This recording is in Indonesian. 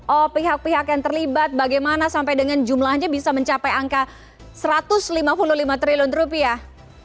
oh pihak pihak yang terlibat bagaimana sampai dengan jumlahnya bisa mencapai angka satu ratus lima puluh lima triliun rupiah